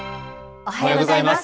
おはようございます。